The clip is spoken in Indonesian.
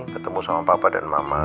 ketemu sama papa dan mama